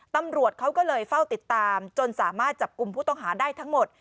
ตำรวจเขาก็เลยเฝ้าติดตามจนสามารถจับกลุ่มผู้ต้องหาได้ทั้งหมด